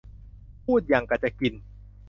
พูดหยั่งกะจะกิน